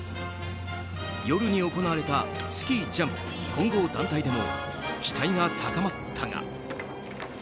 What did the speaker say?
夜に行われたスキージャンプ混合団体でも期待が高まったが。